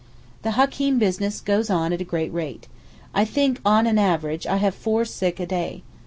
The Hakeem business goes on at a great rate. I think on an average I have four sick a day.